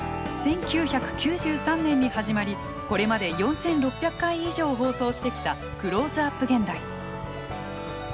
１９９３年に始まりこれまで４，６００回以上放送してきた「クローズアップ現代」。